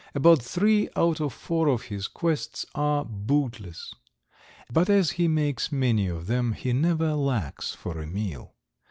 About three out of four of his quests are bootless, but as he makes many of them he never lacks for a meal.